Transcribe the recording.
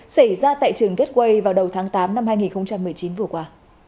xảy ra tại trường gateway vào đầu tháng tám năm hai nghìn một mươi chín vừa qua